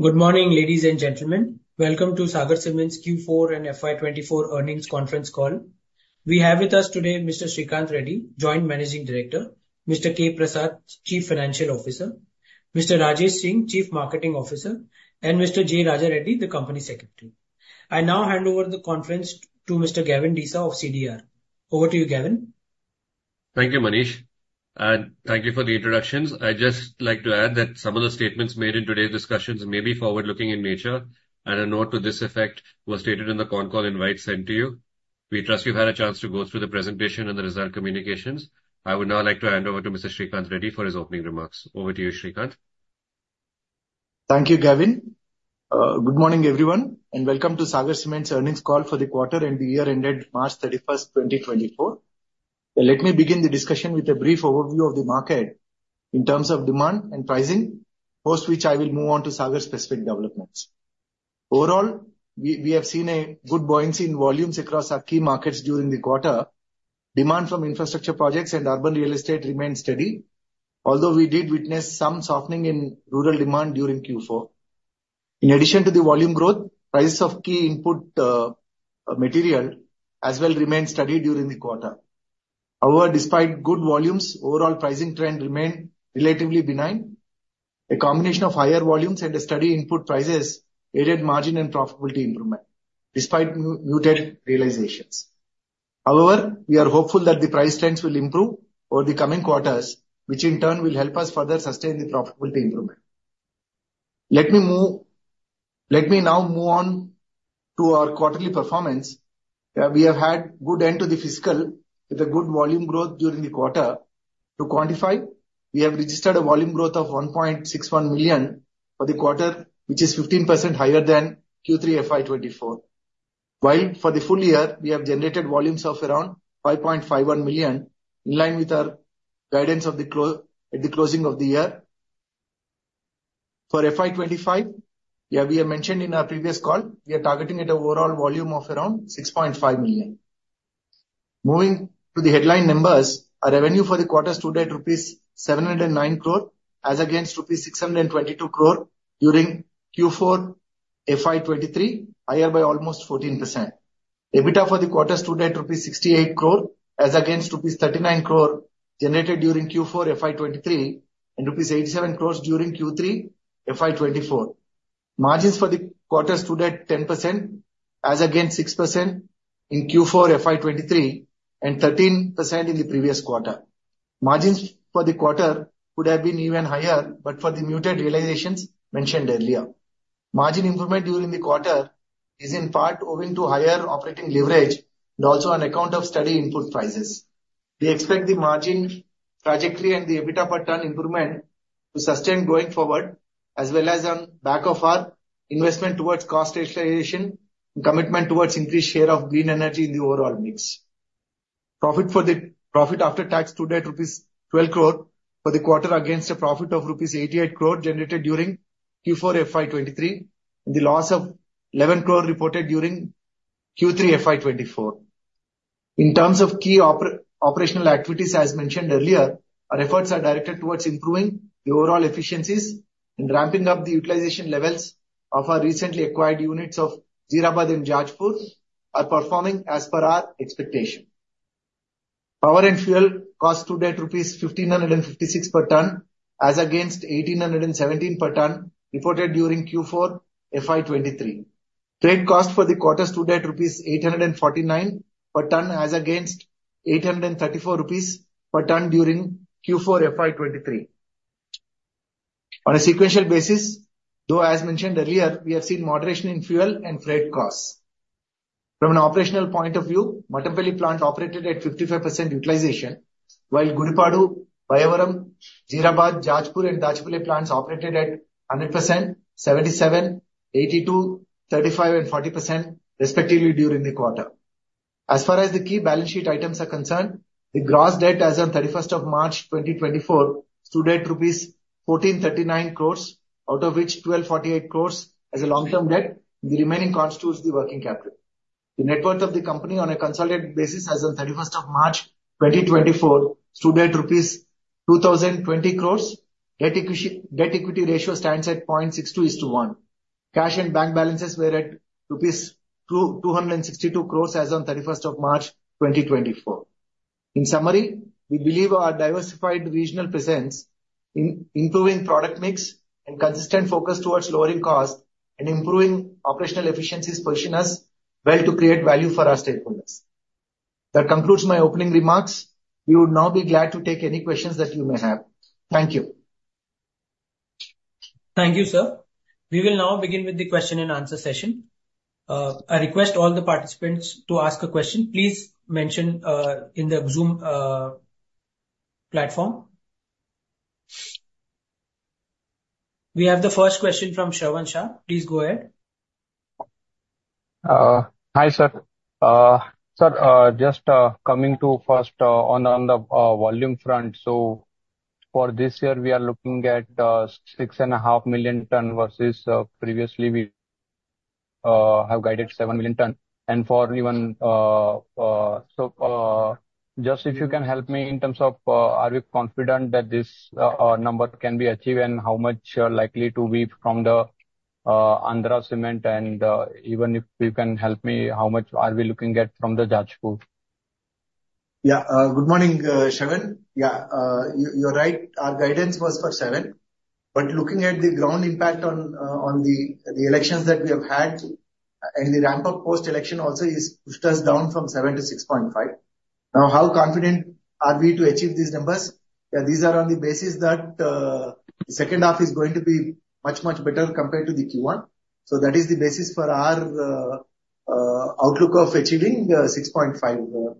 Good morning, ladies and gentlemen. Welcome to Sagar Cements Q4 and FY 2024 earnings conference call. We have with us today Mr. Sreekanth Reddy, Joint Managing Director, Mr. K. Prasad, Chief Financial Officer, Mr. Rajesh Singh, Chief Marketing Officer, and Mr. J. Raja Reddy, the Company Secretary. I now hand over the conference to Mr. Gavin Desa of CDR. Over to you, Gavin. Thank you, Manish, and thank you for the introductions. I'd just like to add that some of the statements made in today's discussions may be forward-looking in nature, and a note to this effect was stated in the con call invite sent to you. We trust you've had a chance to go through the presentation and the result communications. I would now like to hand over to Mr. Sreekanth Reddy for his opening remarks. Over to you, Sreekanth. Thank you, Gavin. Good morning, everyone, and welcome to Sagar Cements' earnings call for the quarter and the year ended March 31, 2024. Let me begin the discussion with a brief overview of the market in terms of demand and pricing, post which I will move on to Sagar-specific developments. Overall, we have seen a good buoyancy in volumes across our key markets during the quarter. Demand from infrastructure projects and urban real estate remained steady, although we did witness some softening in rural demand during Q4. In addition to the volume growth, prices of key input material as well remained steady during the quarter. However, despite good volumes, overall pricing trend remained relatively benign. A combination of higher volumes and steady input prices aided margin and profitability improvement despite muted realizations. However, we are hopeful that the price trends will improve over the coming quarters, which in turn will help us further sustain the profitability improvement. Let me now move on to our quarterly performance. We have had good end to the fiscal, with a good volume growth during the quarter. To quantify, we have registered a volume growth of 1.61 million for the quarter, which is 15% higher than Q3 FY 2024. While for the full year, we have generated volumes of around 5.51 million, in line with our guidance at the closing of the year. For FY 2025, yeah, we have mentioned in our previous call, we are targeting at an overall volume of around 6.5 million. Moving to the headline numbers, our revenue for the quarter stood at rupees 709 crore, as against rupees 622 crore during Q4 FY 2023, higher by almost 14%. EBITDA for the quarter stood at rupees 68 crore, as against rupees 39 crore generated during Q4 FY 2023, and rupees 87 crore during Q3 FY 2024. Margins for the quarter stood at 10%, as against 6% in Q4 FY 2023, and 13% in the previous quarter. Margins for the quarter could have been even higher, but for the muted realizations mentioned earlier. Margin improvement during the quarter is in part owing to higher operating leverage and also on account of steady input prices. We expect the margin trajectory and the EBITDA per ton improvement to sustain going forward, as well as on back of our investment towards cost rationalization, commitment towards increased share of green energy in the overall mix. Profit after tax stood at rupees 12 crore for the quarter, against a profit of rupees 88 crore generated during Q4 FY 2023, and the loss of 11 crore reported during Q3 FY 2024. In terms of key operational activities, as mentioned earlier, our efforts are directed towards improving the overall efficiencies and ramping up the utilization levels of our recently acquired units of Jeerabad and Jajpur are performing as per our expectation. Power and fuel cost stood at rupees 1,556 per ton, as against 1,817 per ton reported during Q4 FY 2023. Trade cost for the quarter stood at rupees 849 per ton, as against 834 rupees per ton during Q4 FY 2023. On a sequential basis, though, as mentioned earlier, we have seen moderation in fuel and freight costs. From an operational point of view, Mattampally plant operated at 55% utilization, while Gudipadu, Bayyavaram, Jeerabad, Jajpur, and Dachepalli plants operated at 100%, 77%, 82%, 35%, and 40% respectively during the quarter. As far as the key balance sheet items are concerned, the gross debt as of March 31, 2024, stood at rupees 1,439 crore, out of which 1,248 crore as a long-term debt, the remaining constitutes the working capital. The net worth of the company on a consolidated basis as of March 31, 2024, stood at rupees 2,020 crore. Debt-equity ratio stands at 0.62:1. Cash and bank balances were at rupees 262 crore as on thirty-first of March, 2024. In summary, we believe our diversified regional presence, improving product mix, and consistent focus towards lowering costs and improving operational efficiencies position us well to create value for our stakeholders. That concludes my opening remarks. We would now be glad to take any questions that you may have. Thank you. Thank you, sir. We will now begin with the question-and-answer session. I request all the participants to ask a question, please mention in the Zoom platform. We have the first question from Shravan Shah. Please go ahead. Hi, sir. Sir, just coming to first, on the volume front. So for this year, we are looking at 6.5 million ton versus previously we have guided 7 million ton. And even for, so just if you can help me in terms of, are you confident that this number can be achieved, and how much are likely to be from the Andhra Cements? And even if you can help me, how much are we looking at from the Jajpur? Yeah. Good morning, Shravan. Yeah, you're right, our guidance was for 7. But looking at the ground impact on the elections that we have had, and the ramp-up post-election also has pushed us down from 7 to 6.5. Now, how confident are we to achieve these numbers? These are on the basis that second half is going to be much, much better compared to the Q1. So that is the basis for our outlook of achieving 6.5, Shravan.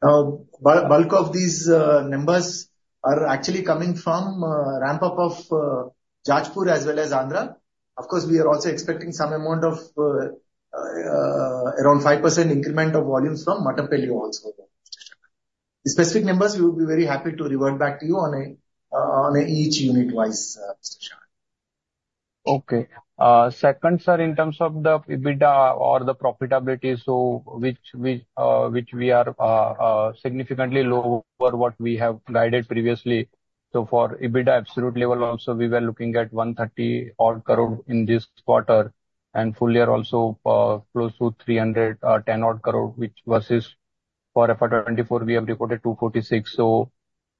Now, bulk of these numbers are actually coming from ramp-up of Jajpur as well as Andhra. Of course, we are also expecting some amount of around 5% increment of volumes from Mattampally also. The specific numbers, we would be very happy to revert back to you on a each unit-wise, Mr. Shravan. Okay. Second, sir, in terms of the EBITDA or the profitability, so which we are significantly lower what we have guided previously. So for EBITDA, absolute level also, we were looking at 130 odd crore in this quarter, and full year also, close to 300 or 10 odd crore, which versus for FY 2024, we have reported 246. So,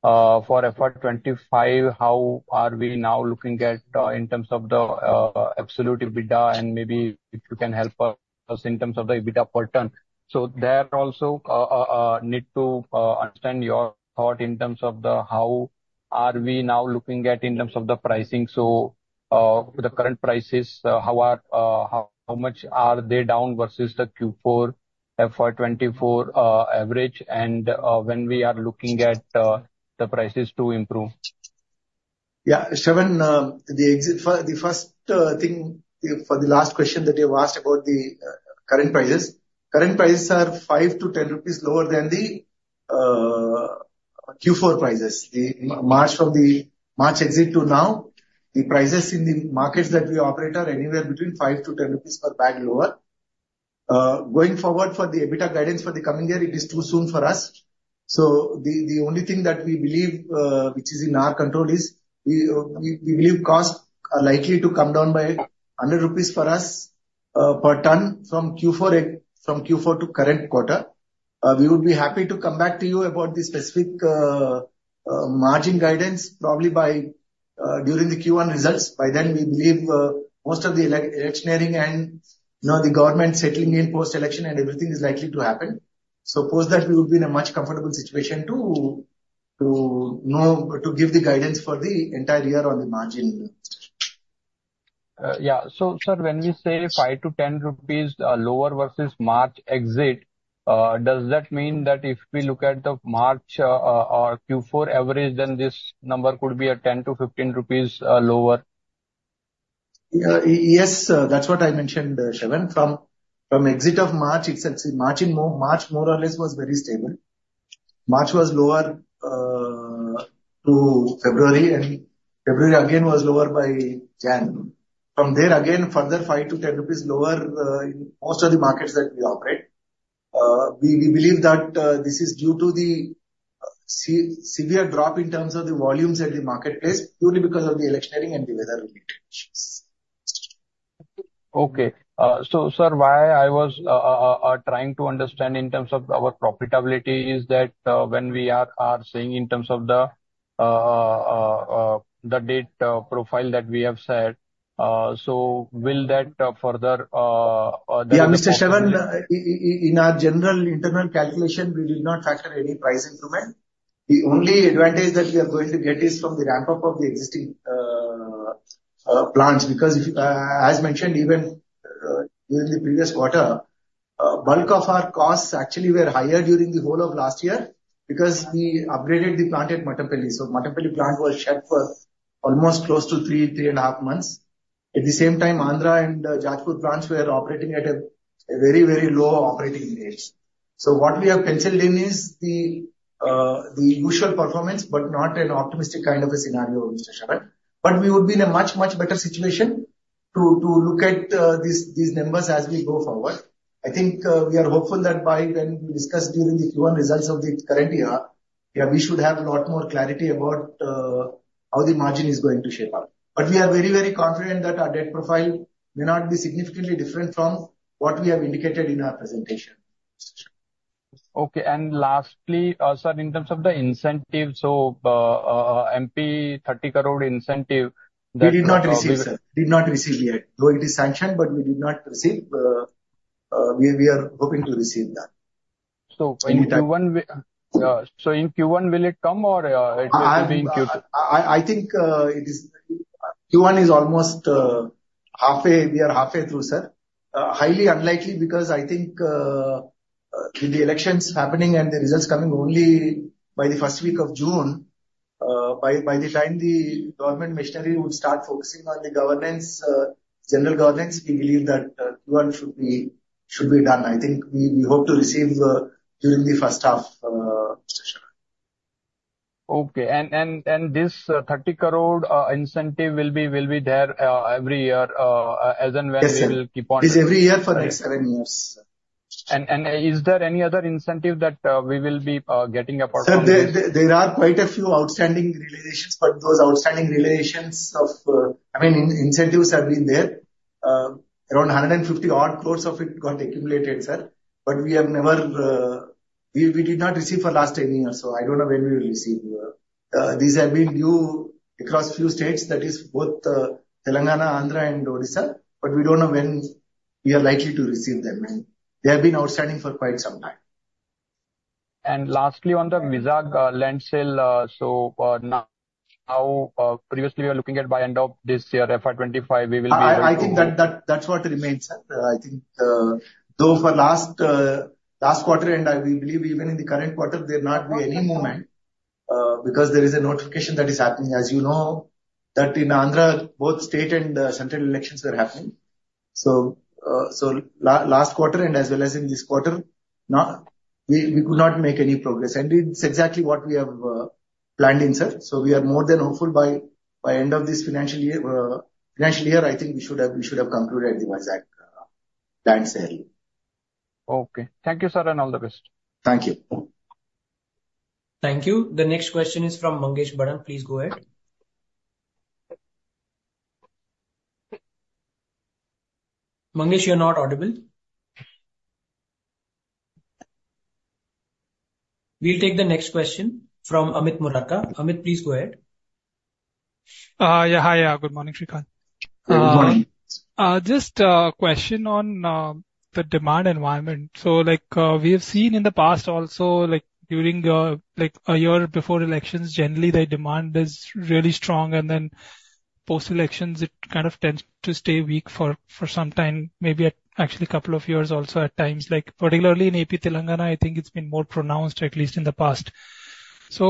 for FY 2025, how are we now looking at in terms of the absolute EBITDA? And maybe if you can help us in terms of the EBITDA per ton. So there also, need to understand your thought in terms of the how are we now looking at in terms of the pricing. The current prices, how much are they down versus the Q4 FY 2024 average, and when we are looking at the prices to improve? Yeah, Shravan, the first thing for the last question that you have asked about the current prices. Current prices are 5-10 rupees lower than the Q4 prices. From the March exit to now, the prices in the markets that we operate are anywhere between 5-10 rupees per bag lower. Going forward, for the EBITDA guidance for the coming year, it is too soon for us. So the only thing that we believe which is in our control is we believe costs are likely to come down by 100 rupees for us per ton from Q4 to current quarter. We would be happy to come back to you about the specific margin guidance, probably during the Q1 results. By then, we believe, most of the electioneering and, you know, the government settling in post-election and everything is likely to happen. So post that, we will be in a much comfortable situation to know to give the guidance for the entire year on the margin. Yeah. So, sir, when we say 5-10 rupees lower versus March exit, does that mean that if we look at the March or Q4 average, then this number could be 10-15 rupees lower? Yeah. Yes, that's what I mentioned, Shravan. From exit of March, it's actually March, more or less, was very stable. March was lower to February, and February again was lower by Jan. From there, again, further 5-10 rupees lower in most of the markets that we operate. We believe that this is due to the severe drop in terms of the volumes at the marketplace, purely because of the electioneering and the weather-related issues. Okay. So, sir, why I was trying to understand in terms of our profitability is that, when we are saying in terms of the debt profile that we have said, Yeah, Mr. Shravan, in our general internal calculation, we did not factor any price increment. The only advantage that we are going to get is from the ramp-up of the existing plants. Because, as mentioned, even during the previous quarter, bulk of our costs actually were higher during the whole of last year because we upgraded the plant at Mattampally. So Mattampally plant was shut for almost close to 3, 3.5 months. At the same time, Andhra and Jajpur plants were operating at a very, very low operating rates. So what we have penciled in is the usual performance, but not an optimistic kind of a scenario, Mr. Shravan. But we would be in a much, much better situation to look at these numbers as we go forward. I think, we are hopeful that by when we discuss during the Q1 results of the current year, we should have a lot more clarity about, how the margin is going to shape up. But we are very, very confident that our debt profile may not be significantly different from what we have indicated in our presentation. Okay. And lastly, sir, in terms of the incentive, so, MP 30 crore incentive that- We did not receive, sir. Did not receive yet. Though it is sanctioned, but we did not receive. We are hoping to receive that. So in Q1, will it come or, it will be in Q2? I think it is... Q1 is almost halfway. We are halfway through, sir. Highly unlikely, because I think with the elections happening and the results coming only by the first week of June, by the time the government machinery would start focusing on the governance, general governance, we believe that Q1 should be done. I think we hope to receive during the first half.... Okay, and this 30 crore incentive will be there every year, as and when- Yes, sir. We will keep on? It's every year for the next 7 years. And is there any other incentive that we will be getting apart from this? Sir, there, there are quite a few outstanding realizations, but those outstanding realizations of, I mean, incentives have been there. Around 150 odd crores of it got accumulated, sir, but we have never, we did not receive for last 10 years, so I don't know when we will receive. These have been due across few states, that is both, Telangana, Andhra, and Odisha, but we don't know when we are likely to receive them, and they have been outstanding for quite some time. And lastly, on the Vizag, so, now, previously we were looking at by end of this year, FY 25, we will be able to- I think that's what remains, sir. I think, though for last quarter, and we believe even in the current quarter, there not be any movement, because there is a notification that is happening. As you know, that in Andhra, both state and central elections are happening. So, last quarter and as well as in this quarter, we could not make any progress, and it's exactly what we have planned, sir. So we are more than hopeful by end of this financial year, financial year, I think we should have concluded the Vizag land sale. Okay. Thank you, sir, and all the best. Thank you. Thank you. The next question is from Mangesh Bhadang. Please go ahead. Mangesh, you're not audible. We'll take the next question from Amit Murarka. Amit, please go ahead. Yeah. Hi, yeah, good morning, Sreekanth. Good morning. Just a question on the demand environment. So like, we have seen in the past also, like during like a year before elections, generally, the demand is really strong, and then post-elections, it kind of tends to stay weak for some time, maybe a, actually, a couple of years also at times. Like, particularly in AP Telangana, I think it's been more pronounced, at least in the past. So,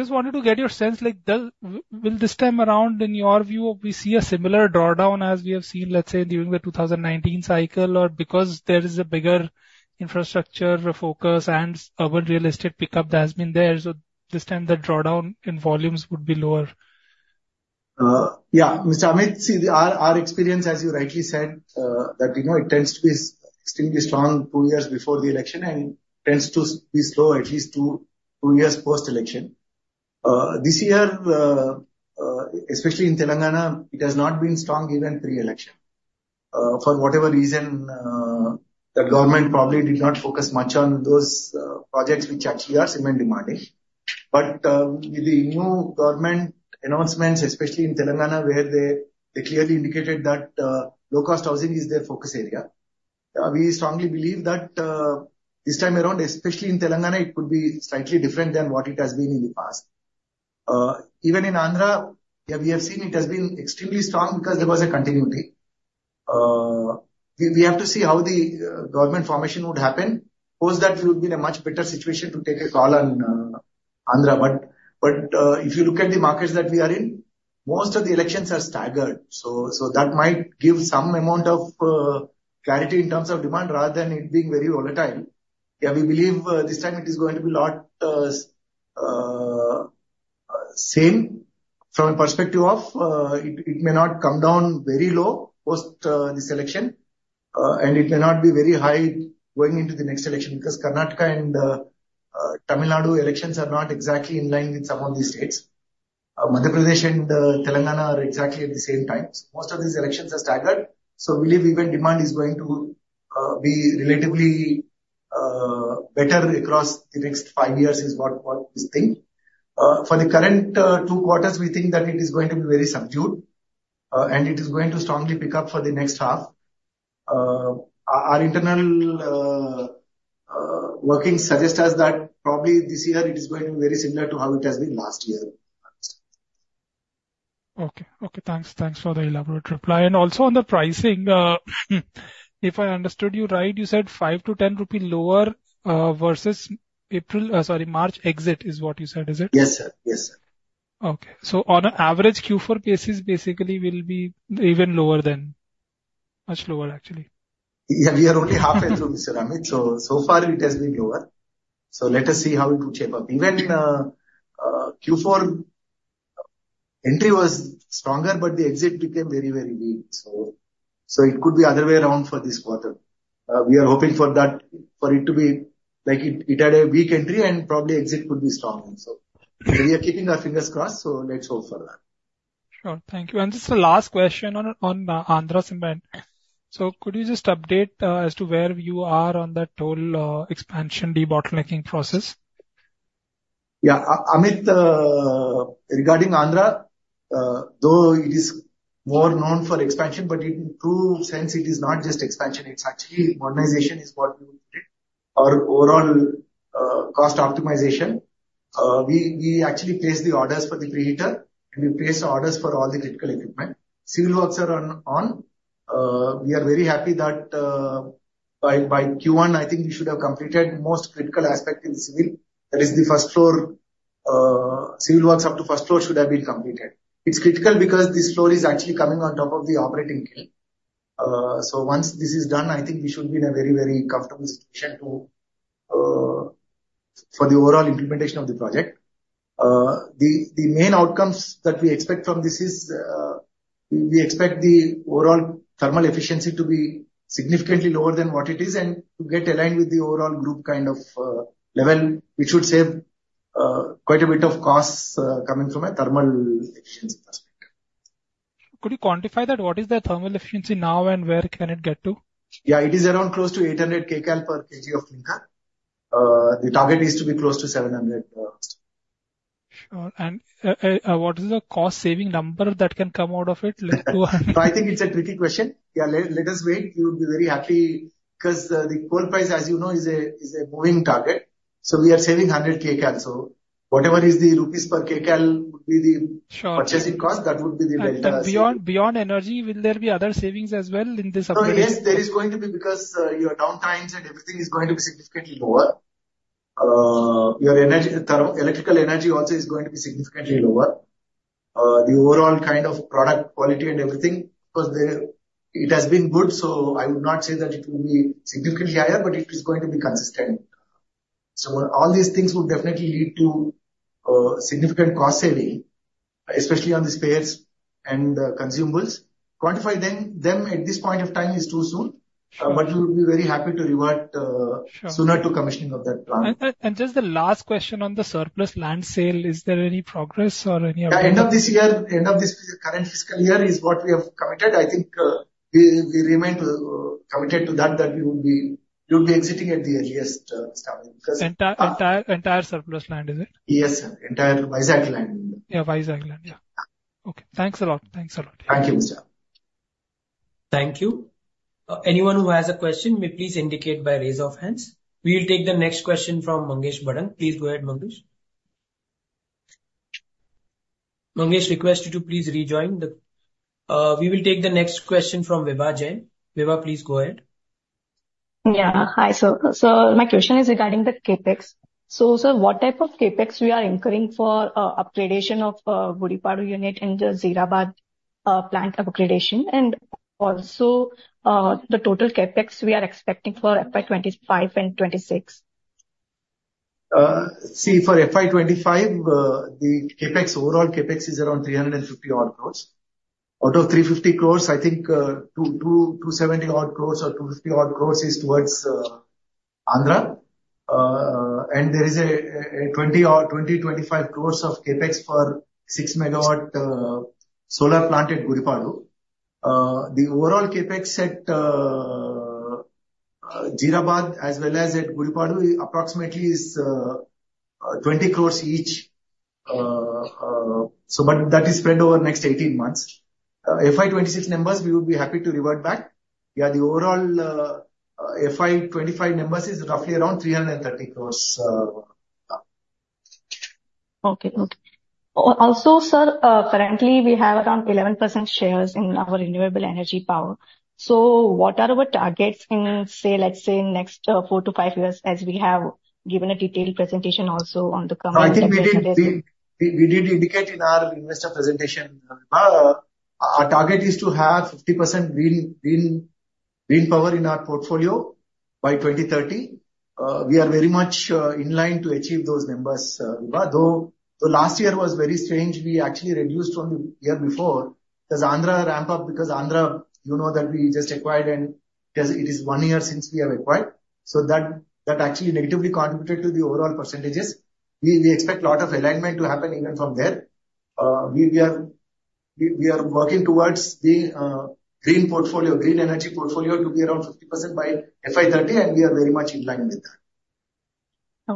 just wanted to get your sense, like, will this time around, in your view, we see a similar drawdown as we have seen, let's say, during the 2019 cycle, or because there is a bigger infrastructure focus and urban real estate pickup that has been there, so this time the drawdown in volumes would be lower? Yeah. Mr. Amit, see, our experience, as you rightly said, that, you know, it tends to be extremely strong two years before the election and tends to be slow at least two years post-election. This year, especially in Telangana, it has not been strong even pre-election. For whatever reason, the government probably did not focus much on those projects which actually are cement demanding. But, with the new government announcements, especially in Telangana, where they clearly indicated that low-cost housing is their focus area, we strongly believe that this time around, especially in Telangana, it could be slightly different than what it has been in the past. Even in Andhra, yeah, we have seen it has been extremely strong because there was a continuity. We have to see how the government formation would happen. Post that, we would be in a much better situation to take a call on Andhra. But if you look at the markets that we are in, most of the elections are staggered, so that might give some amount of clarity in terms of demand, rather than it being very volatile. Yeah, we believe this time it is going to be a lot same from a perspective of it may not come down very low post this election, and it may not be very high going into the next election, because Karnataka and Tamil Nadu elections are not exactly in line with some of these states. Madhya Pradesh and Telangana are exactly at the same time. So most of these elections are staggered, so we believe even demand is going to be relatively better across the next five years is what we think. For the current two quarters, we think that it is going to be very subdued, and it is going to strongly pick up for the next half. Our internal working suggest us that probably this year it is going to be very similar to how it has been last year. Okay. Okay, thanks. Thanks for the elaborate reply. And also on the pricing, if I understood you right, you said 5-10 rupee lower versus April, sorry, March exit is what you said, is it? Yes, sir. Yes, sir. Okay. So on average, Q4 CapEx basically will be even lower than, much lower, actually. Yeah, we are only halfway through, Mr. Amit, so, so far it has been lower. So let us see how it would shape up. Even in Q4, entry was stronger, but the exit became very, very weak. So, so it could be other way around for this quarter. We are hoping for that, for it to be like it, it had a weak entry and probably exit could be strong also. We are keeping our fingers crossed, so let's hope for that. Sure. Thank you. Just the last question on Andhra Cement. So could you just update as to where you are on that total expansion debottlenecking process? Yeah. Amit, regarding Andhra, though it is more known for expansion, but in true sense, it is not just expansion, it's actually modernization is what we would do. Our overall, cost optimization, we actually placed the orders for the preheater, and we placed the orders for all the critical equipment. Civil works are on. We are very happy that, by Q1, I think we should have completed most critical aspect in civil. That is the first floor, civil works up to first floor should have been completed. It's critical because this floor is actually coming on top of the operating kiln. So once this is done, I think we should be in a very, very comfortable situation to for the overall implementation of the project. The main outcomes that we expect from this is, we expect the overall thermal efficiency to be significantly lower than what it is, and to get aligned with the overall group kind of level. We should save quite a bit of costs coming from a thermal efficiency perspective. Could you quantify that? What is the thermal efficiency now, and where can it get to? Yeah, it is around close to 800 kcal per kg of clinker. The target is to be close to 700. Sure. And, what is the cost-saving number that can come out of it? Let's go on. I think it's a tricky question. Yeah, let us wait. You would be very happy, 'cause the coal price, as you know, is a moving target. So we are saving 100 kCal, so whatever is the INR per kCal would be the- Sure. purchasing cost, that would be the delta. Beyond energy, will there be other savings as well in this upgrade? Oh, yes, there is going to be, because your downtimes and everything is going to be significantly lower. Your energy, thermal electrical energy also is going to be significantly lower. The overall kind of product quality and everything, of course, there it has been good, so I would not say that it will be significantly higher, but it is going to be consistent. So all these things will definitely lead to significant cost saving, especially on the spares and consumables. Quantify them at this point of time is too soon- Sure. but we would be very happy to revert, Sure. sooner to commissioning of that plant. Just the last question on the surplus land sale, is there any progress or any update? Yeah, end of this year, end of this current fiscal year is what we have committed. I think, we remain committed to that, that we would be exiting at the earliest time, because- Entire surplus land, is it? Yes, sir. Entire Vizag land. Yeah, Vizag land. Yeah. Okay, thanks a lot. Thanks a lot. Thank you, sir. Thank you. Anyone who has a question may please indicate by raise of hands. We will take the next question from Mangesh Bhadang. Please go ahead, Mangesh. Mangesh, request you to please rejoin the... We will take the next question from Vibha Jain. Vibha, please go ahead. Yeah. Hi, sir. So my question is regarding the CapEx. So, sir, what type of CapEx we are incurring for upgradation of Gudipadu unit and the Jeerabad plant upgradation? And also, the total CapEx we are expecting for FY 2025 and 2026. See, for FY 2025, the CapEx, overall CapEx is around 350 odd crores. Out of 350 crores, I think, 270 odd crores or 250 odd crores is towards, Andhra. And there is a 20 or 25 crores of CapEx for 6 MW solar plant at Gudipadu. The overall CapEx at Jeerabad as well as at Gudipadu approximately is 20 crores each. So but that is spread over next 18 months. FY 2026 numbers, we would be happy to revert back. Yeah, the overall, FY 2025 numbers is roughly around 330 crores. Okay. Also, sir, currently we have around 11% shares in our renewable energy power. So what are our targets in, say, let's say, next 4-5 years, as we have given a detailed presentation also on the current- No, I think we did, we did indicate in our investor presentation, Vibha. Our target is to have 50% wind power in our portfolio by 2030. We are very much in line to achieve those numbers, Vibha, though the last year was very strange. We actually reduced from the year before, because Andhra ramped up, because Andhra, you know, that we just acquired, and because it is one year since we have acquired. So that actually negatively contributed to the overall percentages. We expect a lot of alignment to happen even from there. We are working towards the green portfolio, green energy portfolio to be around 50% by FY 2030, and we are very much in line with that.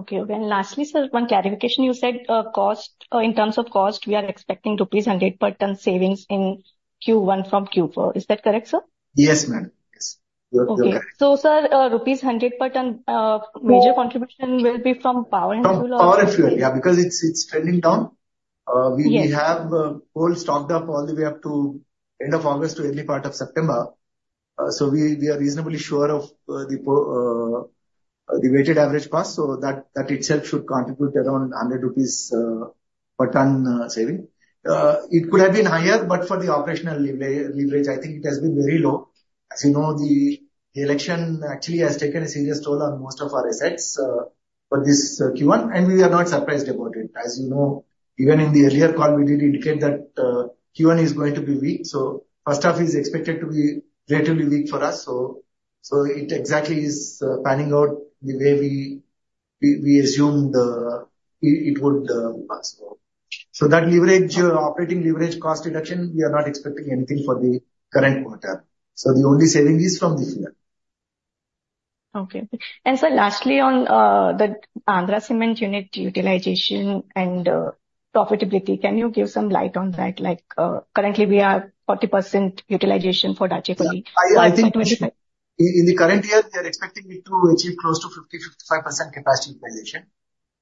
Okay, okay. And lastly, sir, one clarification: You said, cost, in terms of cost, we are expecting rupees 100 per ton savings in Q1 from Q4. Is that correct, sir? Yes, ma'am. Yes. You're correct. Okay. So, sir, rupees 100 per ton- More- Major contribution will be from power and fuel? From power and fuel, yeah, because it's, it's trending down. Yes. We have coal stocked up all the way up to end of August to early part of September. So we are reasonably sure of the weighted average cost, so that itself should contribute around 100 rupees per ton saving. It could have been higher, but for the operational leverage, I think it has been very low. As you know, the election actually has taken a serious toll on most of our assets for this Q1, and we are not surprised about it. As you know, even in the earlier call, we did indicate that Q1 is going to be weak, so first half is expected to be relatively weak for us. So it exactly is panning out the way we assumed it would pan so. So that leverage, operating leverage, cost reduction, we are not expecting anything for the current quarter, so the only saving is from this year. Okay. And sir, lastly, on the Andhra Cements unit utilization and profitability, can you give some light on that? Like, currently we are 40% utilization for Dachepalli- I think- -twenty-five. In the current year, we are expecting it to achieve close to 50-55% capacity utilization.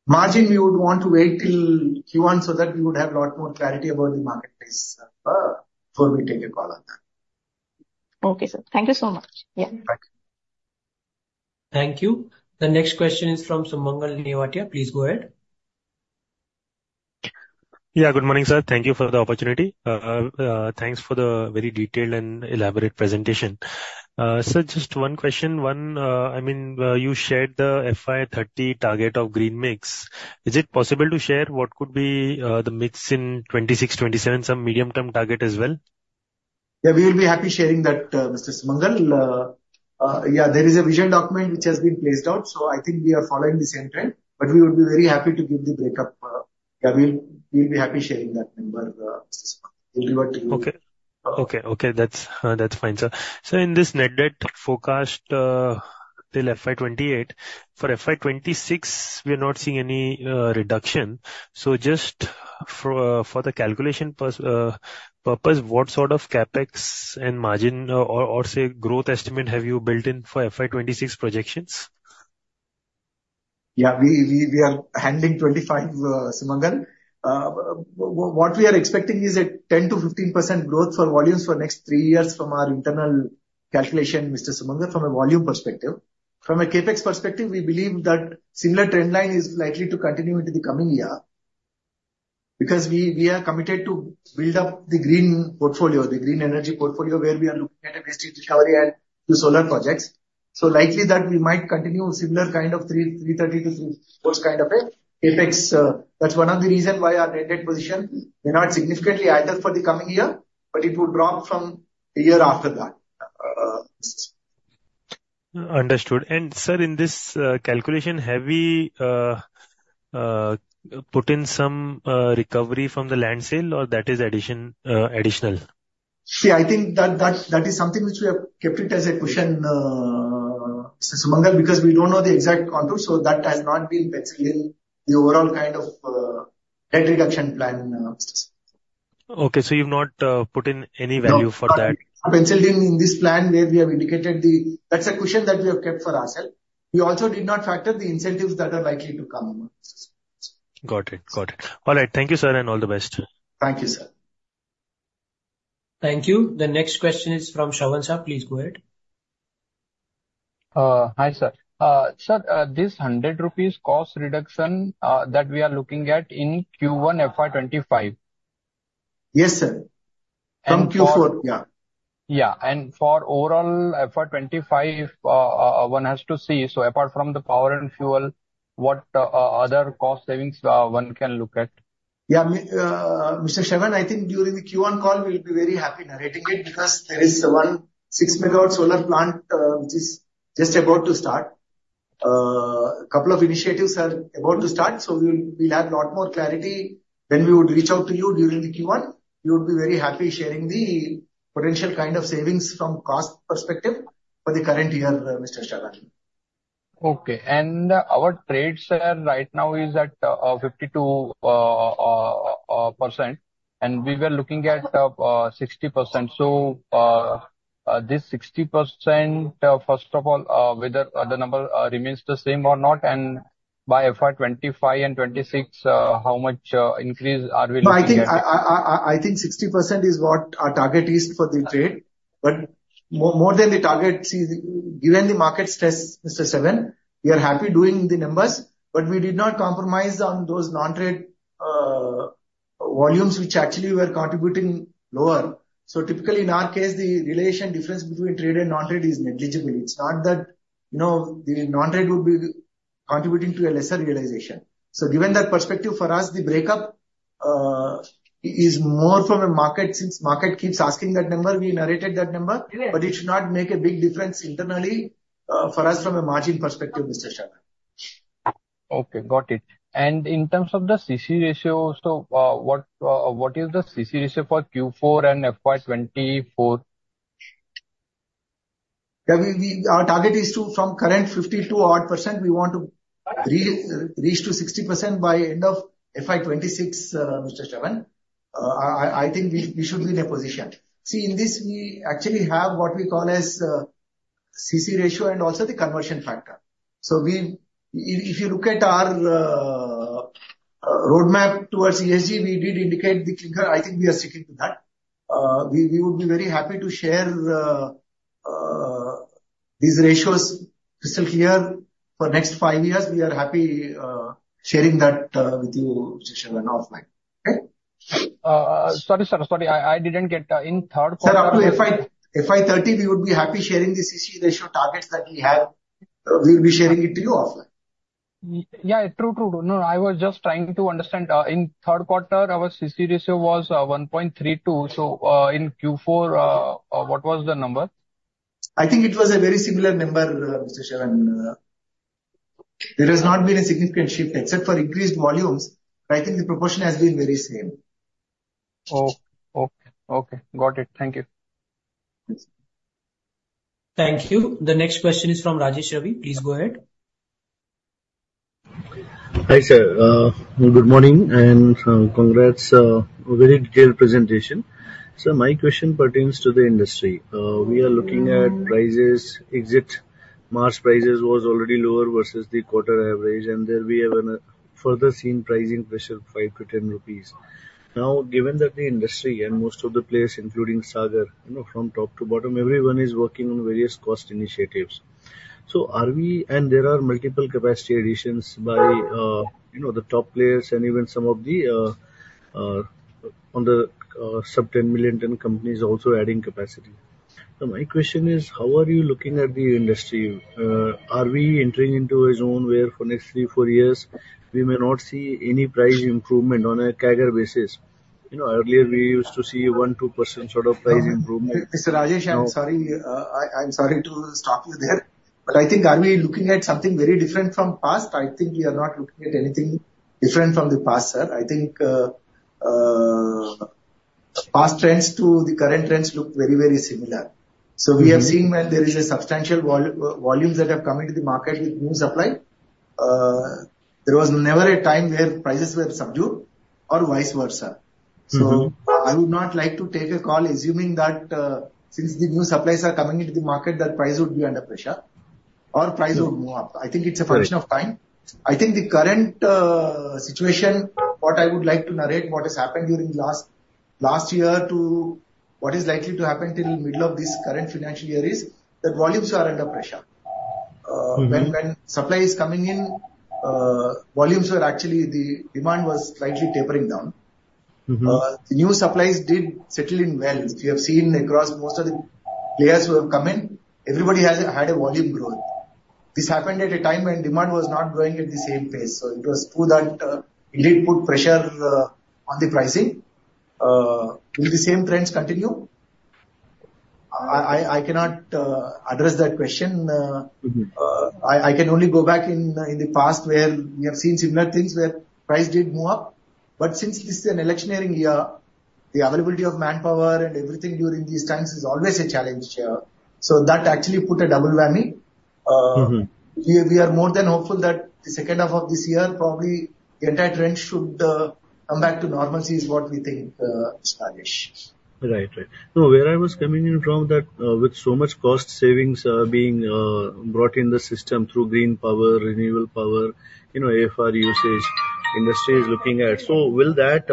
Margin, we would want to wait till Q1, so that we would have a lot more clarity about the marketplace before we take a call on that. Okay, sir. Thank you so much. Yeah. Thank you. Thank you. The next question is from Sumangal Nevatia. Please go ahead. ...Yeah, good morning, sir. Thank you for the opportunity. Thanks for the very detailed and elaborate presentation. So just one question. One, I mean, you shared the FY 2030 target of green mix. Is it possible to share what could be the mix in 2026, 2027, some medium-term target as well? Yeah, we will be happy sharing that, Mr. Sumangal. Yeah, there is a vision document which has been placed out, so I think we are following the same trend, but we would be very happy to give the breakup. Yeah, we'll be happy sharing that number, Mr. Sumangal. We'll be able to give you. Okay. Okay, okay, that's fine, sir. So in this net debt forecast, till FY 2028, for FY 2026, we are not seeing any reduction. So just for the calculation purpose, what sort of CapEx and margin or, say, growth estimate have you built in for FY 2026 projections? Yeah, we are handling 25, Sumangal. What we are expecting is a 10%-15% growth for volumes for next three years from our internal calculation, Mr. Sumangal, from a volume perspective. From a CapEx perspective, we believe that similar trend line is likely to continue into the coming year, because we are committed to build up the green portfolio, the green energy portfolio, where we are looking at a waste recovery and the solar projects. So likely that we might continue similar kind of 330-400 kind of a CapEx. That's one of the reasons why our net debt position may not significantly idle for the coming year, but it would drop from the year after that. Understood. And sir, in this calculation, have we put in some recovery from the land sale, or that is addition, additional? See, I think that is something which we have kept it as a question, Mr. Sumangal, because we don't know the exact contour, so that has not been penciled in the overall kind of debt reduction plan. Okay, so you've not put in any value for that? No, penciled in, in this plan where we have indicated the... That's a question that we have kept for ourself. We also did not factor the incentives that are likely to come on, Mr. Sumangal. Got it. Got it. All right. Thank you, sir, and all the best. Thank you, sir. Thank you. The next question is from Shravan Shah. Please go ahead. Hi, sir. Sir, this 100 rupees cost reduction that we are looking at in Q1 FY 25? Yes, sir. From Q4? Yeah. Yeah. For overall FY 25, one has to see, so apart from the power and fuel, what other cost savings one can look at? Yeah, me, Mr. Shravan, I think during the Q1 call, we'll be very happy narrating it, because there is a 16 MW solar plant, which is just about to start. A couple of initiatives are about to start, so we'll, we'll have a lot more clarity when we would reach out to you during the Q1. We would be very happy sharing the potential kind of savings from cost perspective for the current year, Mr. Shravan. Okay, and our trades are right now is at 52%, and we were looking at 60%. So, this 60%, first of all, whether the number remains the same or not, and by FY 2025 and 2026, how much increase are we looking at? No, I think 60% is what our target is for the trade. But more than the target, see, given the market stress, Mr. Shravan, we are happy doing the numbers, but we did not compromise on those non-trade volumes, which actually were contributing lower. So typically, in our case, the realization difference between trade and non-trade is negligible. It's not that, you know, the non-trade would be contributing to a lesser realization. So given that perspective, for us, the breakup is more from a market. Since market keeps asking that number, we narrated that number, but it should not make a big difference internally for us from a margin perspective, Mr. Shravan. Okay, got it. In terms of the CC ratio, so, what is the CC ratio for Q4 and FY 2024? Yeah, we, our target is to, from current 50-odd percent, we want to reach to 60% by end of FY 2026, Mr. Shravan. I think we should be in a position. See, in this, we actually have what we call as CC ratio and also the conversion factor. So if you look at our roadmap towards ESG, we did indicate the clinker. I think we are sticking to that. We would be very happy to share these ratios crystal clear for next five years. We are happy sharing that with you, Mr. Shravan, offline. Okay? Sorry, sir. Sorry, I didn't get in third quarter- Sir, up to FY 2013, we would be happy sharing the CC ratio targets that we have. We'll be sharing it to you offline. Yeah, true, true. No, I was just trying to understand. In third quarter, our CC ratio was 1.32. So, in Q4, what was the number? I think it was a very similar number, Mr. Shravan. There has not been a significant shift except for increased volumes, but I think the proportion has been very same. Oh, okay. Okay, got it. Thank you. Thank you. The next question is from Rajesh Ravi. Please go ahead. Hi, sir. Good morning and, congrats, a very detailed presentation. So my question pertains to the industry. We are looking at prices, exit, March prices was already lower versus the quarter average, and there we have, further seen pricing pressure, 5-10 rupees. Now, given that the industry and most of the players, including Sagar, you know, from top to bottom, everyone is working on various cost initiatives. So are we... And there are multiple capacity additions by, you know, the top players and even some of the, on the, sub-10 million ton companies also adding capacity.... So my question is: How are you looking at the industry? Are we entering into a zone where for next three, four years, we may not see any price improvement on a CAGR basis? You know, earlier we used to see 1-2% sort of price improvement. Mr. Rajesh, I'm sorry, I'm sorry to stop you there, but I think, are we looking at something very different from past? I think we are not looking at anything different from the past, sir. I think past trends to the current trends look very, very similar. So we have seen when there is a substantial volumes that have come into the market with new supply, there was never a time where prices were subdued or vice versa. Mm-hmm. So I would not like to take a call, assuming that, since the new supplies are coming into the market, that price would be under pressure or price would go up. Right. I think it's a function of time. I think the current situation, what I would like to narrate what has happened during the last, last year to what is likely to happen till middle of this current financial year is, that volumes are under pressure. Mm-hmm. When supply is coming in, volumes were actually... the demand was slightly tapering down. Mm-hmm. New supplies did settle in well. We have seen across most of the players who have come in, everybody has had a volume growth. This happened at a time when demand was not growing at the same pace, so it was through that, it did put pressure on the pricing. Will the same trends continue? I cannot address that question. Mm-hmm. I can only go back in, in the past, where we have seen similar things where price did move up. But since this is an electioneering year, the availability of manpower and everything during these times is always a challenge. So that actually put a double whammy. Mm-hmm. We are more than hopeful that the second half of this year, probably, the entire trend should come back to normalcy, is what we think, Mr. Rajesh. Right. Right. No, where I was coming in from that, with so much cost savings, being brought in the system through green power, renewable power, you know, AFR usage, industry is looking at. So will that,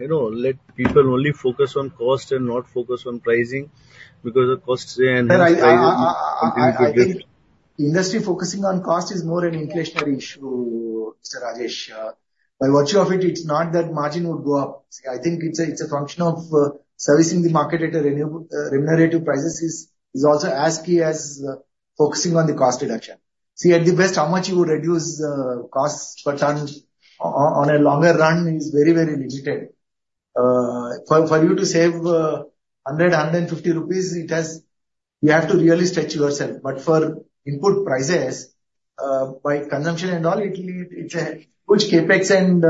you know, let people only focus on cost and not focus on pricing because of costs and- Sir, I think industry focusing on cost is more an inflationary issue, Mr. Rajesh. By virtue of it, it's not that margin would go up. I think it's a, it's a function of, servicing the market at a renewable, regenerative prices is also as key as, focusing on the cost reduction. See, at the best, how much you would reduce, costs per ton on a longer run is very, very limited. For you to save 150 rupees, it has... You have to really stretch yourself. But for input prices, by consumption and all, it'll, it's a huge CapEx and,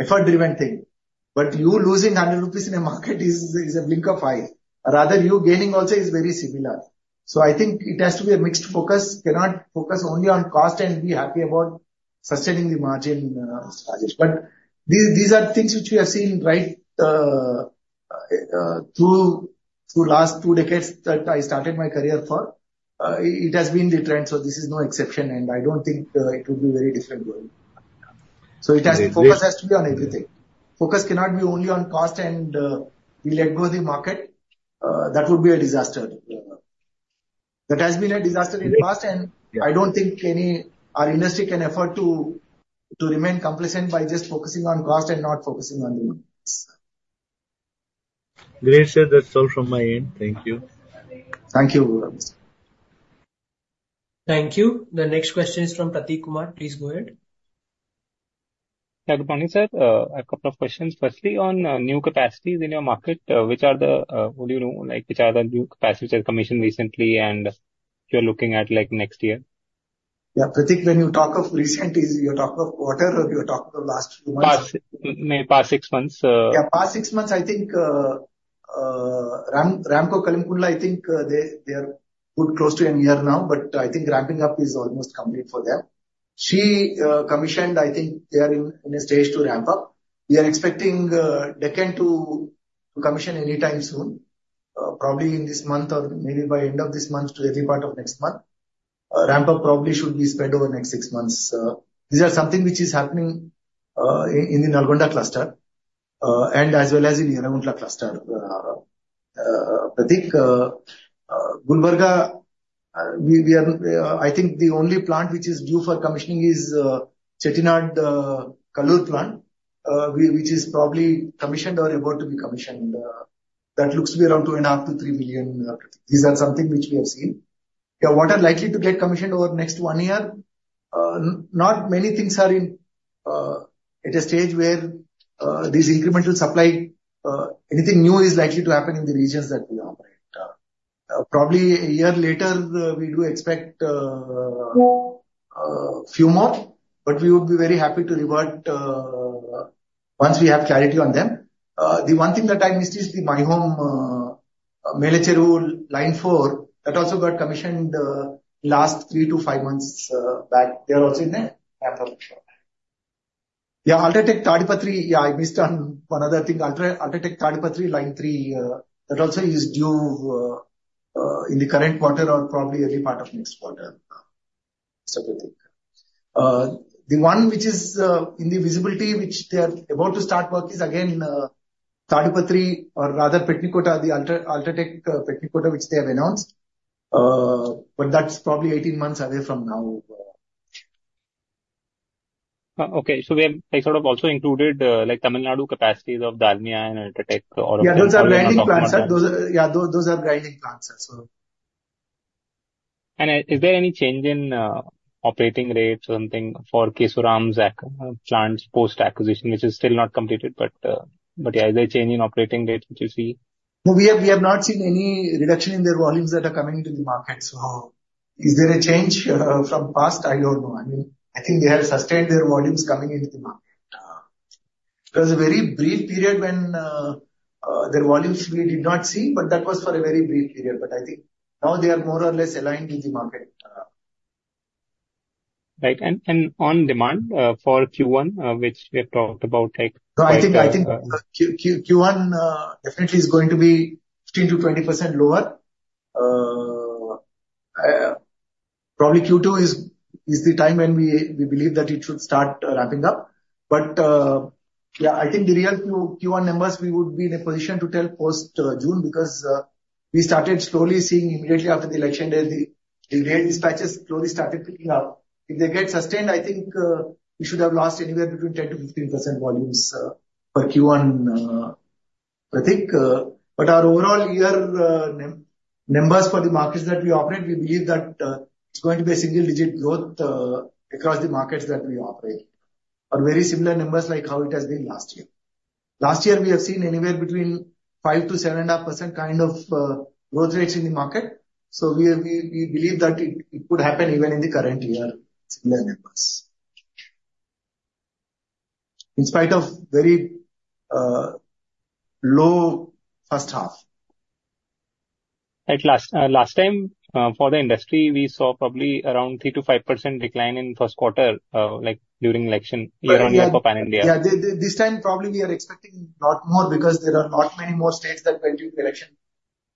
effort-driven thing. But you losing 100 rupees in a market is a blink of eye, rather you gaining also is very similar. So I think it has to be a mixed focus. Cannot focus only on cost and be happy about sustaining the margin, Mr. Rajesh. But these are things which we have seen right through last two decades that I started my career for. It has been the trend, so this is no exception, and I don't think it will be very different going. So it has- The focus- Focus has to be on everything. Focus cannot be only on cost and, we let go of the market. That would be a disaster. That has been a disaster in the past- Yeah. and I don't think any our industry can afford to remain complacent by just focusing on cost and not focusing on the rest. Great, sir. That's all from my end. Thank you. Thank you. Thank you. The next question is from Prateek Kumar. Please go ahead. Good morning, sir. A couple of questions. Firstly, on new capacities in your market, which are the, what do you know, like, which are the new capacities that commissioned recently, and you're looking at, like, next year? Yeah, Pratik, when you talk of recent, are you talking of quarter or you're talking of last few months? Past May, past six months. Yeah, past six months, I think, Ramco Cements, I think, they are good close to a year now, but I think ramping up is almost complete for them. They commissioned, I think they are in a stage to ramp up. We are expecting Deccan to commission anytime soon, probably in this month or maybe by end of this month to early part of next month. Ramp up probably should be spread over the next six months. These are something which is happening in the Nalgonda cluster, and as well as in Yerraguntla cluster. Pratik, Gulbarga, we are... I think the only plant which is due for commissioning is Chettinad Kallur plant, which is probably commissioned or about to be commissioned, that looks to be around 2.5-3 million. These are something which we have seen. Yeah, what are likely to get commissioned over the next one year? Not many things are in at a stage where these incremental supply anything new is likely to happen in the regions that we operate. Probably a year later, we do expect few more, but we would be very happy to revert once we have clarity on them. The one thing that I missed is the My Home Mellacheruvu line four. That also got commissioned last 3-5 months back. They are also in a ramp up. Yeah, UltraTech Tadipatri, yeah, I missed on one other thing. Ultra, UltraTech Tadipatri, line 3, that also is due, in the current quarter or probably early part of next quarter. So, Pratik, the one which is, in the visibility, which they are about to start work, is again, Tadipatri, or rather Petnikota, the Ultra, UltraTech Petnikota, which they have announced. But that's probably 18 months away from now, Pratik.... Okay, so we have, I sort of also included, like Tamil Nadu capacities of Dalmia and UltraTech or- Yeah, those are grinding plants, sir. So. Is there any change in operating rates or something for Kesoram's plants post-acquisition, which is still not completed, but yeah, is there a change in operating rates, which you see? No, we have, we have not seen any reduction in their volumes that are coming into the market. So is there a change, from past? I don't know. I mean, I think they have sustained their volumes coming into the market. There was a very brief period when, their volumes we did not see, but that was for a very brief period. But I think now they are more or less aligned in the market. Right. And on demand for Q1, which we have talked about, like- No, I think Q1 definitely is going to be 15%-20% lower. Probably Q2 is the time when we believe that it should start ramping up. But yeah, I think the real Q1 numbers, we would be in a position to tell post June, because we started slowly seeing immediately after the election day, the rare dispatches slowly started picking up. If they get sustained, I think we should have lost anywhere between 10%-15% volumes for Q1, I think. But our overall year numbers for the markets that we operate, we believe that it's going to be a single digit growth across the markets that we operate. Or very similar numbers like how it has been last year. Last year, we have seen anywhere between 5%-7.5% kind of growth rates in the market. So we believe that it could happen even in the current year, similar numbers. In spite of very low first half. Right. Last time, for the industry, we saw probably around 3%-5% decline in first quarter, like during election year on year for pan-India. Yeah, this time probably we are expecting lot more because there are lot many more states that went through the election,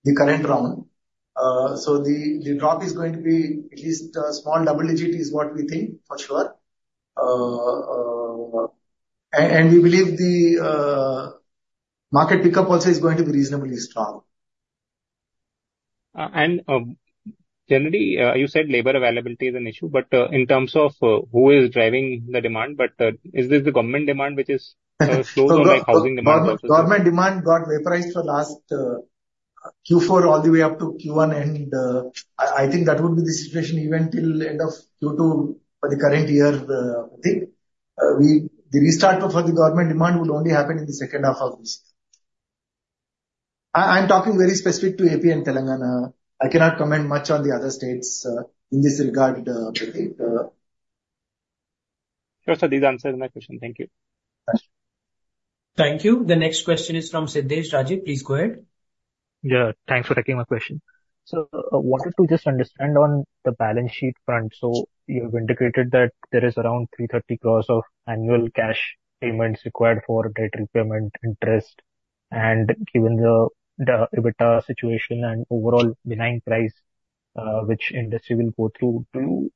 the current round. So the drop is going to be at least small double digit is what we think for sure. And we believe the market pickup also is going to be reasonably strong. And, generally, you said labor availability is an issue, but in terms of who is driving the demand, but is this the government demand which is slow from, like, housing demand also? Government demand got vaporized for last Q4 all the way up to Q1, and I think that would be the situation even till end of Q2 for the current year, I think. The restart for the government demand will only happen in the second half of this year. I'm talking very specific to AP and Telangana. I cannot comment much on the other states in this regard, Pradeep. Sure, sir. This answers my question. Thank you. Thanks. Thank you. The next question is from Siddhesh Rajhansa. Please go ahead. Yeah, thanks for taking my question. So I wanted to just understand on the balance sheet front. So you have indicated that there is around 330 crore of annual cash payments required for debt repayment, interest, and given the EBITDA situation and overall benign price, which industry will go through, do you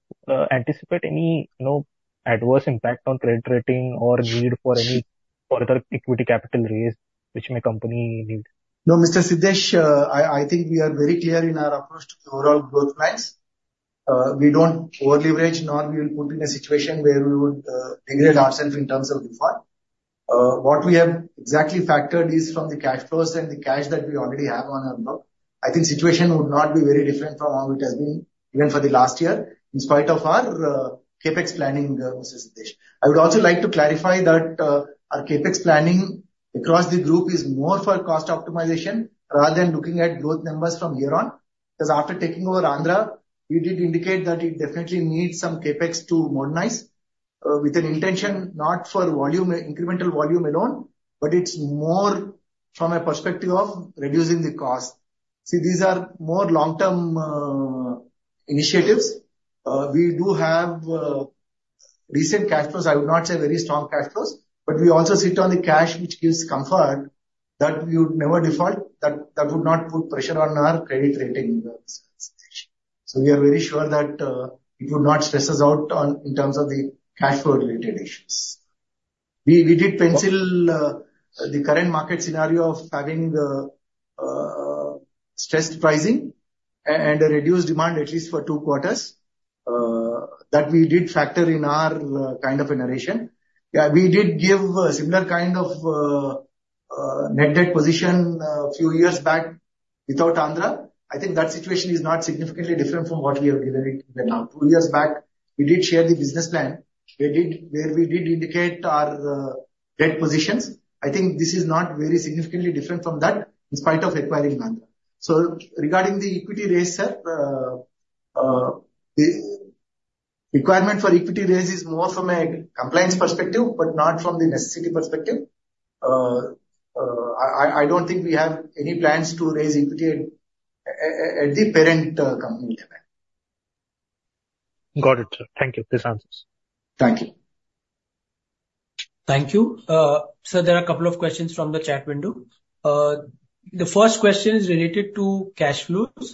anticipate any, you know, adverse impact on credit rating or need for any further equity capital raise, which my company need? No, Mr. Siddhesh, I think we are very clear in our approach to the overall growth plans. We don't overleverage, nor we will put in a situation where we would degrade ourselves in terms of default. What we have exactly factored is from the cash flows and the cash that we already have on our books. I think situation would not be very different from how it has been even for the last year, in spite of our CapEx planning, Mr. Siddhesh. I would also like to clarify that our CapEx planning across the group is more for cost optimization rather than looking at growth numbers from year on. Because after taking over Andhra, we did indicate that it definitely needs some CapEx to modernize, with an intention not for volume, incremental volume alone, but it's more from a perspective of reducing the cost. See, these are more long-term initiatives. We do have decent cash flows, I would not say very strong cash flows, but we also sit on the cash, which gives comfort that we would never default, that would not put pressure on our credit rating, Mr. Siddhesh. So we are very sure that it would not stress us out on, in terms of the cash flow related issues. We did pencil the current market scenario of having stressed pricing and a reduced demand at least for two quarters. That we did factor in our kind of a narration. Yeah, we did give a similar kind of net debt position few years back without Andhra. I think that situation is not significantly different from what we have delivered right now. Two years back, we did share the business plan, we did where we did indicate our debt positions. I think this is not very significantly different from that, in spite of acquiring Andhra. So regarding the equity raise, sir, the requirement for equity raise is more from a compliance perspective, but not from the necessity perspective. I, I, I don't think we have any plans to raise equity at the parent company level. Got it, sir. Thank you. This answers. Thank you. Thank you. Sir, there are a couple of questions from the chat window. The first question is related to cash flows.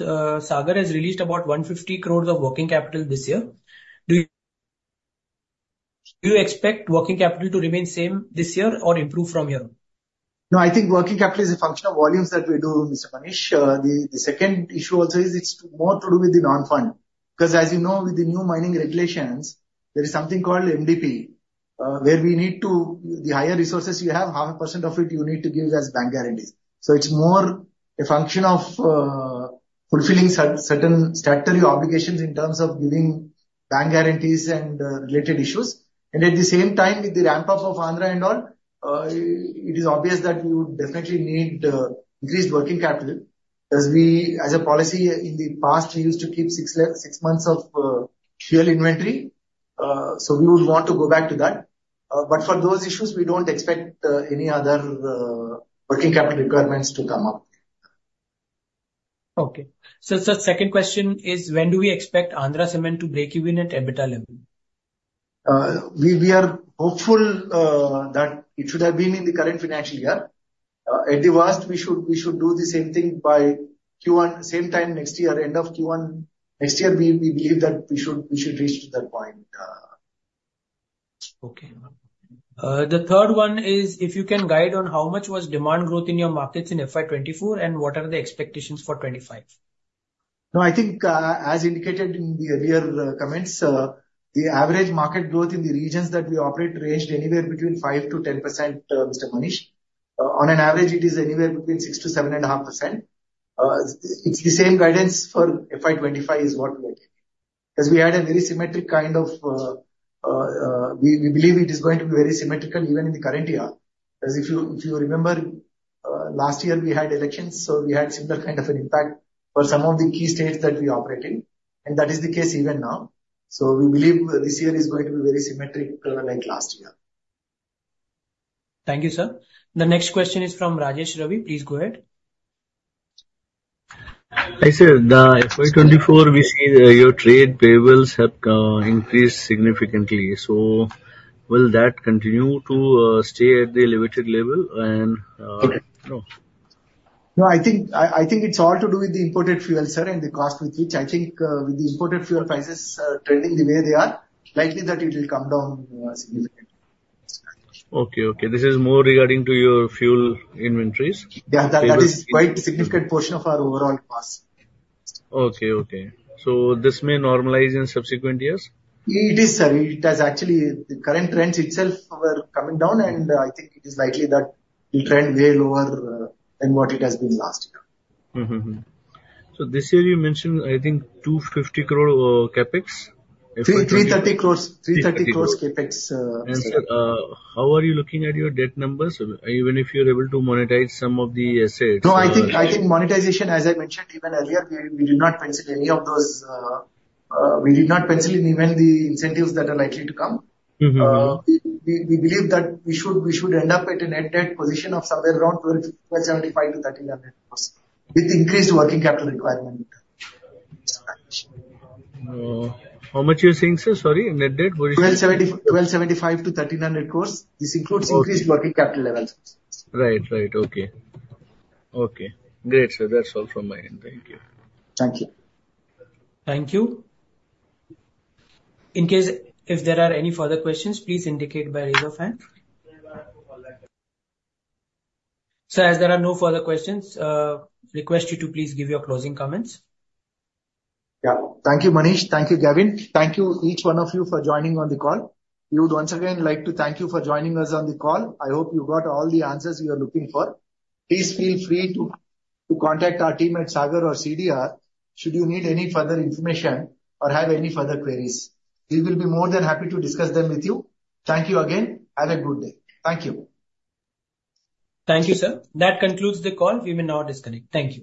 Sagar has released about 150 crores of working capital this year. Do you... Do you expect working capital to remain same this year or improve from here on?... No, I think working capital is a function of volumes that we do, Mr. Manish. The second issue also is it's more to do with the non-fund, because as you know, with the new mining regulations, there is something called MDP, where we need to, the higher resources you have, 0.5% of it you need to give as bank guarantees. So it's more a function of fulfilling certain statutory obligations in terms of giving bank guarantees and related issues. And at the same time, with the ramp up of Andhra and all, it is obvious that you would definitely need increased working capital. As we, as a policy in the past, we used to keep six months of fuel inventory, so we would want to go back to that. But for those issues, we don't expect any other working capital requirements to come up. Okay. So, sir, second question is when do we expect Andhra Cement to break even at EBITDA level? We are hopeful that it should have been in the current financial year. At the worst, we should do the same thing by Q1, same time next year, end of Q1 next year. We believe that we should reach to that point. Okay. The third one is, if you can guide on how much was demand growth in your markets in FY 2024, and what are the expectations for 2025? No, I think, as indicated in the earlier comments, the average market growth in the regions that we operate ranged anywhere between 5%-10%, Mr. Manish. On an average, it is anywhere between 6%-7.5%. It's the same guidance for FY 2025 is what we are taking. As we had a very symmetric kind of... We believe it is going to be very symmetrical even in the current year. As if you, if you remember, last year we had elections, so we had similar kind of an impact for some of the key states that we operate in, and that is the case even now. So we believe this year is going to be very symmetrical like last year. Thank you, sir. The next question is from Rajesh Ravi. Please go ahead. Hi, sir. The FY 24, we see your trade payables have increased significantly. So will that continue to stay at the elevated level? And, No, I think it's all to do with the imported fuel, sir, and the cost with which I think with the imported fuel prices trending the way they are, likely that it will come down significantly. Okay, okay. This is more regarding to your fuel inventories? Yeah, that is quite a significant portion of our overall cost. Okay, okay. So this may normalize in subsequent years? It is, sir. It has actually, the current trends itself were coming down, and, I think it is likely that it trend way lower, than what it has been last year. Mm-hmm, mm-hmm. So this year you mentioned, I think, 250 crore, CapEx? 330 crores, 330 crores CapEx Sir, how are you looking at your debt numbers, even if you're able to monetize some of the assets? No, I think, I think monetization, as I mentioned even earlier, we, we did not pencil any of those, we did not pencil in even the incentives that are likely to come. Mm-hmm. We believe that we should end up at a net debt position of somewhere around 1,275 crore-1,300 crore, with increased working capital requirement. Oh, how much you are saying, sir, sorry, net debt position? INR 1,270, 1,275-1,300 crores. This includes- Okay. increased working capital levels. Right, right. Okay. Okay. Great, sir. That's all from my end. Thank you. Thank you. Thank you. In case if there are any further questions, please indicate by raise your hand. Sir, as there are no further questions, request you to please give your closing comments. Yeah. Thank you, Manish. Thank you, Gavin. Thank you each one of you for joining on the call. We would once again like to thank you for joining us on the call. I hope you got all the answers you are looking for. Please feel free to, to contact our team at Sagar or CDR should you need any further information or have any further queries. We will be more than happy to discuss them with you. Thank you again. Have a good day. Thank you. Thank you, sir. That concludes the call. We may now disconnect. Thank you.